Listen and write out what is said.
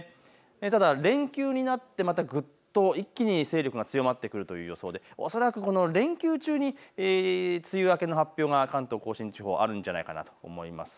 ただ連休になってまたグッと一気に勢力が強まってくると予想で恐らくこの連休中に梅雨明けの発表が関東甲信地方あるんじゃないかと思います。